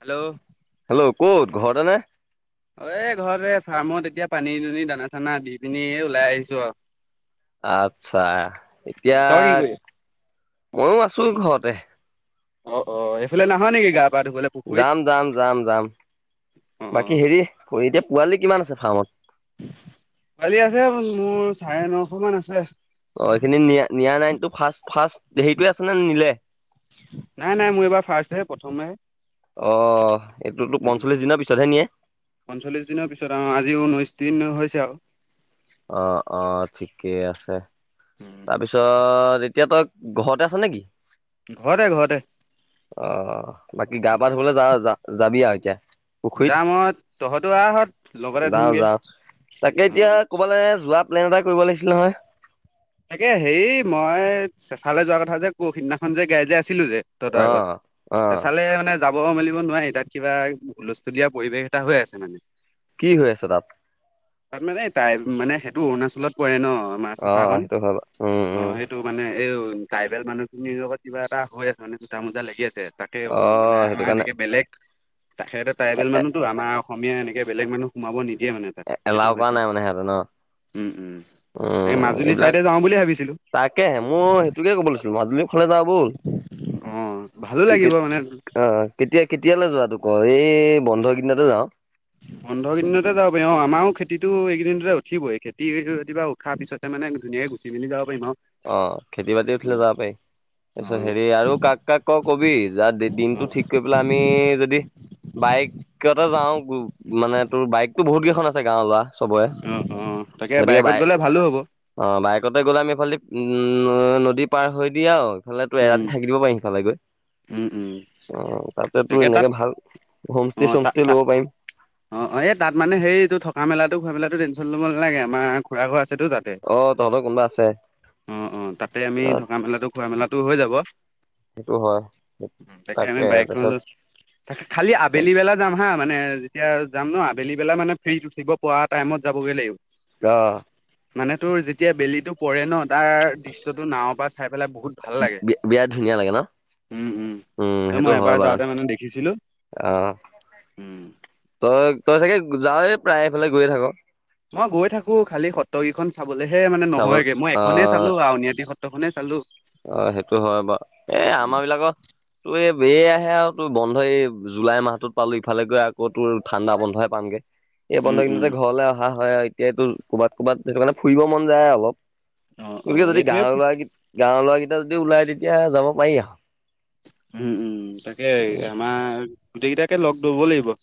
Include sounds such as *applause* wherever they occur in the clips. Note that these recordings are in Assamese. হেল্ল'। হেল্ল' ক'ত ঘৰতেনে? অ', এ ঘৰতে ফাৰ্মত এতিয়া পানী দুনি দানা চানা দি পিনি ওলাই আহিছো আৰু। আচ্ছা উম এতিয়া তই কি কৰি ময়ো আছো তই কি ঘৰতে। অ', অ', এইফালে নাহ নেকি গা পা ধুবলৈ? পুখুৰীত যাম যাম যাম যাম, অ অ। বাকী হেৰি এতিয়া পোৱালি কিমান আছে ফাৰ্মত? পোৱালি আছে মোৰ চাৰে নশ মান আছে। অ', এইখিনি নিয়া নিয়া নাইটো ফাৰ্ষ্ট ফাৰ্ষ্ট হেৰিটোৱে আছে নে নিলে? নাই নাই মোৰ এইবাৰ ফাৰ্ষ্টহে প্ৰথমহে। অহ এইটোতো পঞ্চল্লিশ দিনৰ পিছতহে নিয়ে? পঞ্চল্লিছ দিনৰ পিছত অ' আজি ঊনৈছ দিন হৈছে আৰু। অ', অ', ঠিকেই আছে। তাৰপিছত এতিয়া তই ঘৰতে আছনে কি? ঘৰতে ঘৰতে। অ', বাকী গা পা ধুবলৈ যাৱ যা-যাবি আৰু এতিয়া? পুখুৰীত? যাম মই তহঁতো আহহঁত লগতে যাওঁ ধুমগে। যাওঁ। তাকে অ। এতিয়া ক'ৰবালে যোৱা প্লেন এটা কৰিব লাগিছিলে নহয়। তাকে হেৰি মই চেঁচালৈ যোৱা কথা যে পৌৰসিদিনাখন যে গাই যে আছিলো যে। তহঁতৰ অ আগত, অ চেচাঁলে মানে যাব মেলিব নোৱাৰি তাত কিবা হুলস্থুলীয়া পৰিৱেশ এটা হৈ আছে মানে। কি হৈ আছে তাত? তাত মানে তাই মানে সেইটো অৰুণাচলত পৰে ন। আমাৰ অ', চেঁচাকন। সেইটো হয় বাৰু উম উম। অ', হেতু মানে এই ট্ৰাইবেল মানুহখিনিৰ লগত কিবা এটা হৈ আছে মানে থোতা মোজা লাগি আছে। তাকে অ' মানে সেইটো আমাৰ কাৰণে এনেকে বেলেগ সিহঁতে ট্ৰাইবেল মানুহত আমাৰ অসমীয়া এনেকে বেলেগ মানুহ সোমাব নিদিয়ে মানে। তাত সেইটো এ-এলাও কৰা হৈছে। নাই মানে সিহঁতে ন? উম, উম, এনেকে উম মাজুলী এইবিলাক ছাইডে যাওঁ বুলি ভাবিছিলোঁ। তাকেহে ময়ো সেইটোকে ক'ব লৈছিলো মাজুলী মুখলৈ যাওঁ। ব'ল অ', ভালো লাগিব মানে অ', কেতিয়া কেতিয়ালৈ যোৱাটো কৰ এই বন্ধ কেইদিনতে যাওঁ। বন্ধৰ কেইদিনতে যাব পাৰি অ' আমাৰো খেতিতো এইকেইদিনতে উঠিবই খেতি *unintelligible* উঠা পিছতে মানে ধুনীয়াকে গুচি মেলি যাব পাৰিম আৰু। অ', খেতি বাতি উঠিলে যাব পাৰি। তাৰপিছত অ', হেৰি আৰু কাক কাক ক কবি যাৰ অ', দিনটো ঠিক কৰি পেলাই আমি যদি বাইকতে যাওঁ মানে তোৰ বাইকো বহুত কেইখন আছে গাঁৱৰ ল'ৰা। চবৰে অ', অ', তাকে গতিকে বাইকত বাইক গ'লে ভালো হ'ব। অ', বাইেকতে গ'লে আমি এইফালেদি উম নদী পাৰ হৈ দি আৰু সেইফালে তোৰ উম, এৰাতি থাকি দিব পাৰি সিফালে গৈ, উম, উম, অ' তাতে তোৰ তাকে তাত এনেকে ভাল হোমষ্টে অ', তাত চোমষ্টে তাত ল'ব পাৰিম। অ', অ', এই তাত মানে হেৰি এইটো থকা মেলাটো খোৱা মেলাটো টেনশ্যন ল'ব নালাগে আমাৰ খুৰা ঘৰ আছেতো তাতে। অ', তহঁতৰ কোনোবা আছে? অ', অ', তাতে আমি অ', থকা মেলাটো খোৱা মেলাটো হৈ যাব। সেইটো হয় তাকে আমি বাইকখন লৈ খালি আবেলি বেলা যাম হা মানে যেতিয়া যাম ন আবেলি বেলা মানে ফ্ৰী থাকিব। পোৱা টাইমত যাবগৈ লাগিব। অ'। মানে তোৰ যেতিয়া বেলিটো পৰে ন তাৰ দৃশ্যটো নাৱৰ পৰা চাই পেলাই বহুত ভাল লাগে। বিয়া ধুনীয়া। লাগে ন উম, উম, এ মই এবাৰ যাওঁতে মানে দেখিছিলোঁ। আ, উম। তই-তই চাগে যাৱ‌ই প্ৰায় এইফালে গৈয়ে থাক। মই গৈ থাকোঁ, খালি সত্ৰকেইখন চাবলেহে মানে চাবলৈ নহয়গে মই এখনেই অ', চালো *unintelligible* এখনে চালোঁ। অ', সেইটো হয় বাৰু এই আমাৰ বিলাকত তোৰ এই এই আহে আৰু তোৰ বন্ধ এই জুলাই মাহটোত পালো ইফালে গৈ আকৌ তোৰ ঠাণ্ডা বন্ধই পামগে। এই উম বন্ধৰ উম, দিনতে ঘৰলে অহা হয় আৰু এতিয়টো ক'ৰবাত ক'ৰবাত সেইটোকাৰণে ফুৰিব মন যায় অলপ। অ অ গতিকে যদি এইটোৱে গাৱ-ল'ৰা, গাৱ-ল'ৰা কেইটা যদি ওলাই তেতিয়া যাব পাৰি আৰু। উম, উম তাকে আমাৰ গোটেইকেইটাকে লগ ধৰিব লাগিব।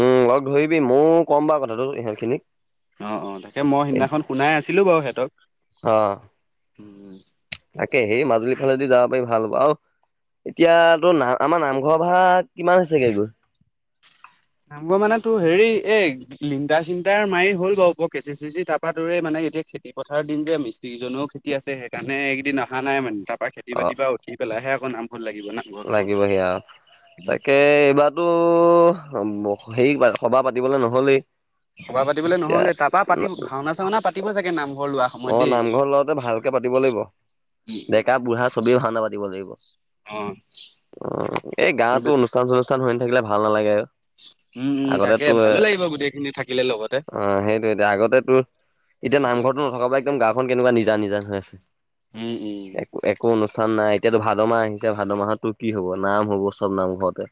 উম, লগ ধৰিবি ময়ো কম বাৰু কথাটো সিহঁত খিনিক। অ', অ' তাকে মই সিদিনাখন শুনাই আছিলোঁ বাৰু সিহঁতক। অ তাকে সেই মাজুলী ফালে যদি যাব পাৰি ভাল হব আৰু এতিয়া তোৰ নাম আমাৰ নামঘৰ ভাগ কিমান হৈছেগৈ তোৰ? নামঘৰ মানে তোৰ হেৰি এ লিন্দা চিন্তাৰ মাৰি হ'ল বাৰু ওপৰ কেচি চেচি তাৰ পৰা দৰে মানে এতিয়া খেতি পথাৰ দিন যে মিস্ত্ৰীজনেও কি আছে সেইকাৰণে এইকেইদিন অহা নাই মানে তাৰ পৰা খেতি অ বাতি পৰা উঠি পেলাইহে আকৌ নামঘৰ লাগিব না। লাগিব সেয়া, তাকে এইবাৰ তো *unintelligible* হেৰি সভা পাতিবলে নহলেই। সভা পাতিবলৈ এতিয়া নহ'লে তাৰপা পাতিম ভাওনা চাওনা পাতিব চাগে নামঘৰ লোৱা অ সময়ত দেই। নামঘৰ লওঁতে ভালকে পাতিব লাগিব ডেকা বুঢ়া চবে ভাওনা পাতিব লাগিব। অ'। অ', এই গাতো উম, অনুষ্ঠান চনুষ্ঠান শুনি থাকিলে ভাল নালাগে উম, উম, আগতে তাকে তোৰ ভালো লাগিব গোটেইখিনি থাকিলে লগতে। এতিয়া, আগতে তোৰ এতিয়া নামঘৰতো নথকা পৰা একদম গাওখন কেনেকুৱা নিজান নিজান হৈ আছে। উম, উম। একো অনুষ্ঠান নাই এতিয়াতো ভাদ মাহ আহিছে ভাদ মাহতো কি হব নাম হ'ব চব নামঘৰতে।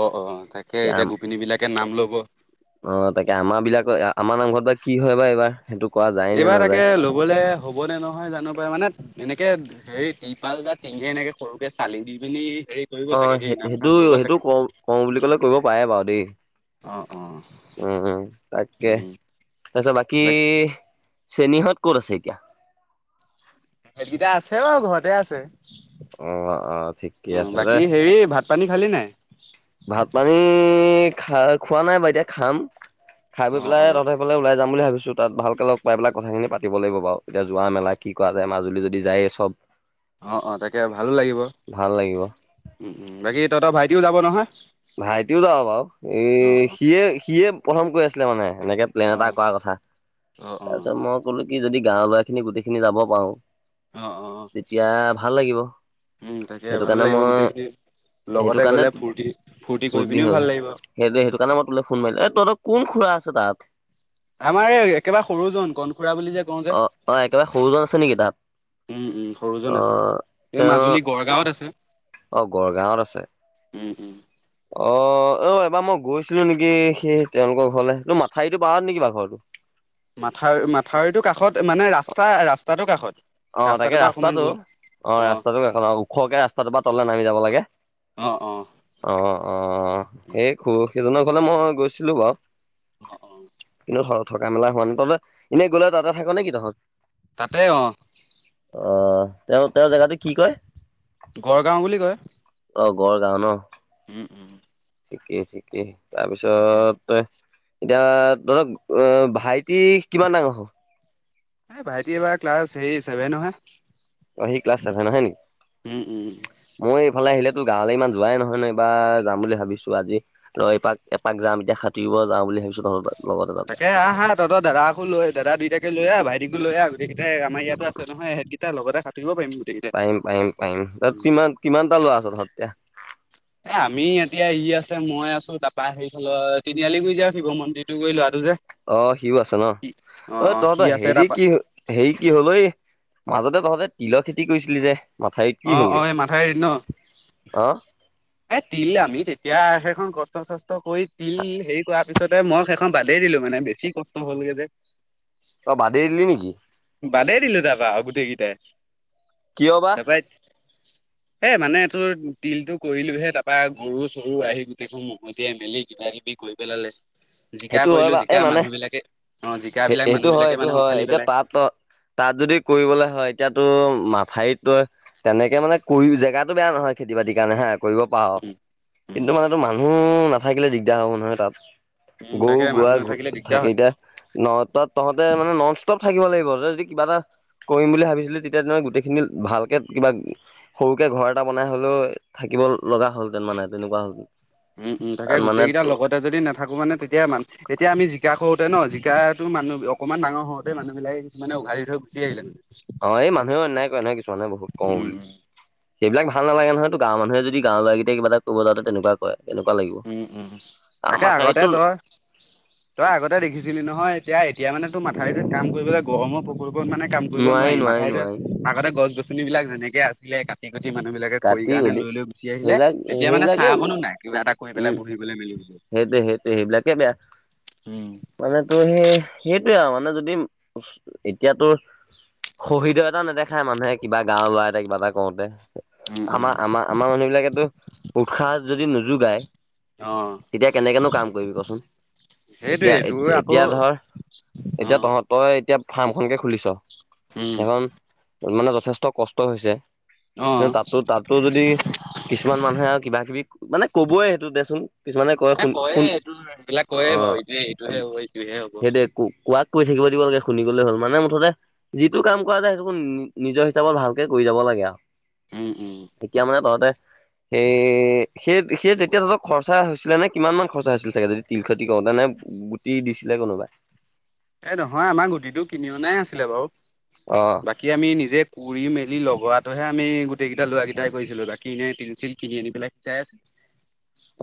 অ', অ', তাকে এতিয়া গোপিনী বিলাকে নাম ল'ব। অ', তাকে আমাৰ বিলাকৰ, আমাৰ নামঘৰত বা কি হয় বা এইবাৰ? সেইটো কৰা যায়। নে এইবাৰ তাকে নাযায়। ল'বলে হ'বনে নহয় জানো পাই মানে তেনেকে এই তিপাল বা টিঙে এনেকে সৰুকে চালি দি পিনি হেৰি কৰিব অ', চাগে ‌অ', দেই নাম চাম ল'ব সেইটো-সেইটো চাগে। কৰোঁ বুলি কলে কৰিব পাৰে বাৰু দেই। অ', অ'। উম, উম তাকে উম, তাৰপিছত বাকী চেনীহঁত ক'ত আছে এতিয়া? সেইকেইটা আছে বাৰু ঘৰতে আছে। অ অ ঠিকে উম, আছে দে বাকী হেৰি ভাত পানী খালি নাই? ভাত পানী খোৱা নাই বাৰু এতিয়া খাম, খাই পৈ অ', পেলাই অ'। তাতে বুলে ওলাই যাম বুলি ভাবিছো তাত ভালকৈ লগ পাই পেলাই কথাখিনি পাতিব লাগিব বাৰু এতিয়া যোৱা মেলা কি কৰা যায় মাজুলী যদি যায়েই চব। *inaudible* অ অ তাকে ভালো লাগিব, ভাল লাগিব উম উম বাকী তহঁতৰ ভাইটিও যাব নহয়? ভাইটিও যাব বাৰু, অঁ ই অঁ সিয়ে সিয়ে প্ৰথম কৈ আছিলে মানে এনেকে প্লেন এটা কৰাৰ কথা অঁ তাৰ অঁ পিছত মই ক'লো কি যদি গাৱৰ লৰাখিনি গোটেইখিনি যাব পাৰো অ অ। তেতিয়া ভাল লাগিব। উম তাকে সেইটো ভালো কাৰণে লাগিব মই গোটেইখিনি লগতে গলে ফূৰ্তি ফূৰ্তি কৰি ফুৰ্তি পিনিও হয় ভাল লাগিব সেইটোৱে সেইটো কাৰণে মই তোলে ফোন মাৰিলো এ তহঁতৰ কোন খুৰা আছে তাত? আমাৰ এই একেবাৰে সৰুজন কনখুৰা বুলি যে কওঁ যে। অ অ একেবাৰে সৰুজন আছে নেকি তাত উম, উম, অ সৰুজন আছে এই তেওঁ মাজুলী গড়গাঁৱত আছে। অ', গড়গাঁৱত আছে। উম, উম। অ', অ', এবাৰ মই গৈছিলো নেকি সেই তেওঁলোকৰ ঘৰলে তোৰ মাথাউৰিটো পাৰত নেকি বাৰ ঘৰটো? মাথাউ মাথাউৰিটো কাষত মানে ৰাস্তা ৰাস্তাটোৰ কাষত। অ' তাকে ৰাস্তাটোৰ পৰা অকণমান ৰাস্তাটো, গৈ অ' অঁ ৰাস্তাটো কাষত ওখকে ৰাস্তাটোৰ পৰা তললে নামি যাব লাগে। অ', অ'। অ', অ', সেই খু সেইজনৰ ঘৰলে মই গৈছিলো বাৰু। অঁ অঁ কিন্তু থ থকা মেলা হোৱা নাই, তহঁতে এনেই গ'লে তাতে থাক নেকি তহঁত? তাতে অ'। অ', তেওঁ তেওঁৰ জাগাটো কি কয়? গড়গাঁও বুলি কয়। অ', গড়গাও ন'। উম, উম। ঠিকেই ঠিকেই তাকে তাৰপিছত এতিয়া তহঁতৰ অ ভাইটি কিমান ডাঙৰ হ'ল? এ ভাইটি এইবাৰ ক্লাছ হেৰী ছেভেনৰ হে। অ', সি ক্লাছ ছেভেনৰ হে নেকি? উম উম মই এইফালে আহিলেতো গাঁৱলে ইমান যোৱাই নহয় ন এইবাৰ যাম বুলি ভাবিছো আজি। ত এপাক - এপাক যাম এতিয়া সাতুৰিব যাম বুলি ভাবিছো তহঁতৰ তাত। লগতে তাতে তাকে আহাঁ আহ তহতৰ দাদাকো লৈ দাদা দুইটাকে লৈ আহ ভাইটিকো লৈ আহ। গোটেইকেইটাই আমাৰ ইয়াতো আছে নহয় ইহঁত কেইটা লগতে সাঁতুৰিব পাৰিম। গোটেইকেইটাই। পাৰিম পাৰিম পাৰিম তাত কিমান কিমানটা লৰা আছ তহঁত এতিয়া? এ আমি এতিয়া ই আছে, মই আছো তাৰপৰা সেইফালত তিনিআলি গুৰি যে শিৱ মন্দিৰটো গুৰি ল'ৰাটো যে। অ', সিও আছে ন, ' অ' সি তহঁতৰ আছে হেৰি তাৰপা কি হেৰি কি হ'ল ঐ, মাজতে তহঁতে তিলৰ খেতি কৰিছিলি যে? মাথাউৰিত কি অ', হ'লগে অ', এই মাথাউৰিত ন'? অ এ তিল আমি তেতিয়া সেইখন কষ্ট - চষ্ট কৰি তিল হেৰি কৰাৰ পিছতে মই সেইখন বাদেই দিলো মানে বেছ ছি কষ্ট হল গে যে। তই বাদেই দিলি নিকি? বাদেই দিলো তাৰপা আৰু গোটেইকেইটাই। কিয় বা? এত সেই মানে তোৰ তিলটো কৰিলোহে তাৰাপা গৰু - চৰু আহি গোটেইখন মহ মতিয়াই মেলি কিবা কিবি কৰি পেলালে। জিকা সেইটো হয় কৰিলোঁ বা এই জিকা মানে মানুহ বিলাকে অ', জিকা বিলাক সেইটো মানুহ হয় বিলাকে সেইটো মানে হয় উঘালি এতিয়া পেলাই। তাত ত তাত যদি কৰিবলৈ হয়, এতিয়াতো মথাউৰিত তই তেনেকে মানে কৰি জেগাতো বেয়া নহয় খতি বাতিৰ কাৰণে হে কৰিব পাৰা উম উম কিন্তু মানুহ নাথাকিলে দিগদাৰ হ'ব নহয় তাত। উম গৰু তাকে গোৱা মানুহ নাথাকিলে দিগদাৰ থাকেই হয় এতিয়া ন তাত তহঁতে মানে ন'ন ষ্টপ থাকিব লাগিব যদি কিবা এটা কৰিম বুলি ভাবিছিলি তেতিয়া তহঁতে গোটেইখিনি ভালকে কিবা সৰুকে ঘৰ এটা বনাই হ'লেও থাকিব লগা হ'লহতেন মানে তেনেকুৱা হ'ল। উম, উম, তাকে গোটেই কেইটা লগতে যদি নাথাকো মানে তেতিয়ে মা এতিয়া আমি জিকা কৰোতে ন জিকাটো মানুহ অকনমান ডাঙৰ হওঁতেই মানুহ বিলাকে কিছুমানে উঘালি থৈ গুচি আহিলে। অ', এই মানুহও অন্যাই কৰে নহয় কিছুমানে বহুত কৰোঁ উম বুলি। সেইবিলাক ভাল নালাগে নহয়‌ তো গাঁও মানুহ যদি গাঁও ল'ৰাকেইট কিব এটা কব যাতে তেনেুৱা কৰে- এনেকুৱা লাগিব। উম, উম আৰু তাকে আগতে মাথাউৰিটো তই তই আগতে দেখিছিলি নহয় এতিয়া, এতিয়া মানে তোৰ মাথাউিটোত কাম কৰিবলৈ গৰমৰ প্ৰকোপত মানে কাম কৰিব নোৱাৰি নোৱাৰিম নোৱাৰি মাথাইৰিটো নোৱাৰি আগতে গছ-গছনি বিলাক যেনেকে কুি কুটিানু বিলাকে খৰি কাটি কাৰণে গলি লৈ লৈ গুচি আহিলে সেইবিলাক তেতিয়া মানে সেইবিলাকে চাহ এককো নাই কিবা এটা কৰি পেলাই উম, বহিবলৈ মেলিবলৈ। সেইটো, সেইটো সেইবিলাক এ বেয়া উম মানে তোৰ সেই সেইটোয়ে আৰু মানে যদি এতিয়াতো শহীদ এটা নেদেখায় মানে কিবা এটি গাঁৱৰ ল'ৰা এটা কিবা এটা কৰোতে উম আমাৰ, আমাৰ, আমাৰ মানুহ বিলাকেতো উৎসাহ যদি নোযোগায় অ'। তেতিয়া কেনেকৈনো কাম কৰিবি কচোন এতিয়া, সেইটোৱে তোৰ আকৌ এতিয়া ধৰ অ এতিয়া তহঁত তই এতিয়া ফাৰ্মখনকৈ খুলিছ উম সেইখন মানে যথেষ্ট কষ্ট হৈছে অ কি তাতো, তাতো যদি কিছুমান মানুহে আৰু কিবা- কিবি মানে কবই সেইটো দেচোন কিছুমানে কয় এ শুন, কয়ে শুন এইটো এইবিলাক কয়ে বাৰু অ', এইটোৱে এইটোহে হ'ব এইটোহে হ'ব সেইটোৱে কোৱাক কৈ থাকিব দিব লাগে শুনি গ'লে হ'ল মানে মুঠতে যিটো কাম কৰা যায় সেইটো নিজৰ হিচাপত ভালকে কৰি যাব লাগে আৰু। উম, উম। এতিয়া মানে তহঁতে সেই, সেই, সেই তেতিয়াহঁতৰ খৰচা হৈছিলে নে কিমান মান খৰচা হৈছিলে চাগে যদি তিল খতি কৰোওঁতে নে গুটি দিছিলে কোনোবাই এ নহয় আমাৰ গুটিটো কিনি অ', নাই আছিলে বাৰু অ'। বাকী আমি নিজে কৰি মেলি লগোৱাটোহে আমি গোটেইকেইটা ল'ৰা কেইটাই কৰিছিলোঁ বাকী এনেই টিন চিন কিনি আনি পেলাই চে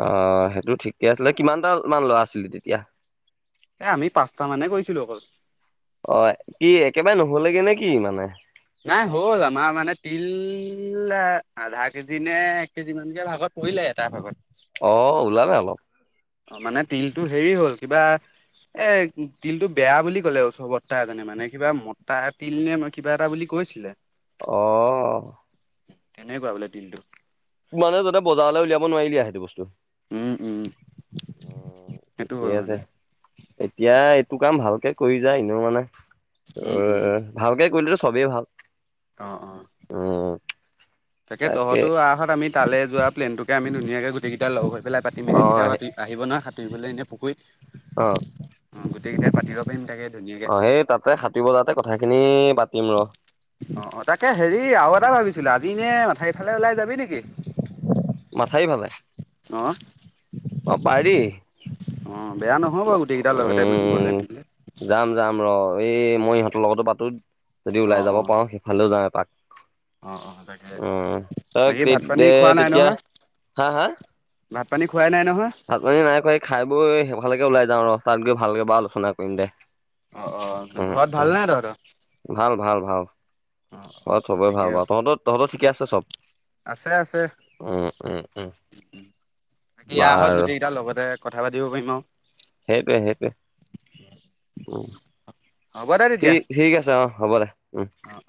অ', সেইটো ঠিকে আছিলে, কিমানটা মান ল'ৰা আছিলো তেতিয়া এ আমি পাঁচটা মানে কৈছিলো অকল অ', কি একেবাৰে নহ'লে গে নে কি মানে নাই হ'ল আমাৰ মানে তিল আধা কেজি নে এক কেজি মানকে ভাগত কৰিলে এটাৰ ভাগত। অ', ওলালে অলপ। অ', মানে তিলতটো হেৰি হ'ল কিবা এ তিলতটো বেয়া বুলি ক'লে ওচ বতাহ এজনে মানে কিবা মতা তিল নে কিবা এটা বুলি কৈছিলে। অ কেনেকুৱা বোলে দিনটো? মানে তহঁতে বজাৰলৈ উলিয়াব নোৱাৰিলি আৰু সেইটো বস্তু। উম উম উ সেইটো হ'ল ঠিকেই মানে আছে। এতিয়া এইটো কাম ভালকে কৰি যা। এনেও মানে অ উম উম ভালকে কৰিলেতো চবেই ভাল। অ অ উম, তাকে তহঁতো আহ অহাত আমি তালে যো প্লেন টোকে আমি ধুনীয়াকে গোটেই কেইটাই লগ হৈ পেলাই পাতিম সুবিধা অ', হে- পাতি আহিব নহয় সাঁতুৰিবলৈ এনেই পুখুৰীত। অ গোটেই কেইতাই পাতিব পাৰিম তাকে। ধুনীয়াকে অ সেই তাতে সাতুৰিব যাওঁতে কথাখিনি পাতিম ৰ। অ তাকে হেৰি আৰু এটা ভাবিছিলোঁ আজি এনে মাথাইফালে ওলাই যাবি নেকি? মথাওৰি ফালে। অঁ অ পাৰি, অ বেয়া নহ'ব গোটেইকেইটাৰ লগতে গ'লে উম মেলিলে যাম যাম ৰ এই মই ইহঁতৰ লগতো পাতোঁ। যদি অ ওলাই যাব অ পাৰোঁ সেই ফালো যাম এপাক অ অ তাকে উ তই বাকী কি ভাত পানী দে খোৱা নাই তেতিয়া নহয় হাঃ হাঃ ভাত পানী খোৱাই নাই নহয়। ভাত পানী নাই খোৱা, খাই বৈ সেই ফাললৈকে ওলাই যাওঁ ৰ তাত গৈ ভালকৈ বাৰু আলোচনা কৰিম দে। অ অ উম ঘৰত উম ভালনে তহঁতৰ অ অ ভাল ভাল ভাল। ঘৰত চবৰে ভাল ঠিকে বাাওঁ, তহঁত তহঁতৰ ঠিকে আছে চব? আছে আছে উম, উম, উম, বাকী আহ হঁত বাৰু গোটেই কেইটা লগতে কথা পাতিব পাৰিম আৰু। সেইটোৱে সেইটোৱে উম। হ'ব দে তেতিয়া ঠিক ঠিক আছে অ হ'ব দে উম। অ